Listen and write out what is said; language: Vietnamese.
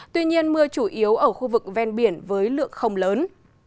tuy nhiên mưa chủ yếu ở khu vực ven biển với lượng không lớn